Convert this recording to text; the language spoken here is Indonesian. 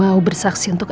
aduh aduh aduh